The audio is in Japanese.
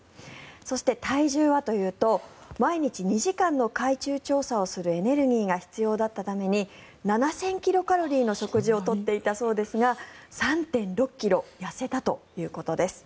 そして、体重はというと毎日２時間の海中調査をするエネルギーが必要だったために７０００キロカロリーの食事を取っていたそうですが３．６ｋｇ痩せたということです。